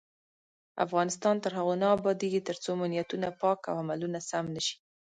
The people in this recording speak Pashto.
افغانستان تر هغو نه ابادیږي، ترڅو مو نیتونه پاک او عملونه سم نشي.